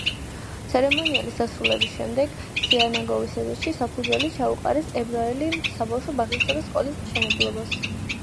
ცერემონიალის დასრულების შემდეგ სინაგოგის ეზოში საფუძველი ჩაუყარეს ებრაული საბავშვო ბაღისა და სკოლის მშენებლობას.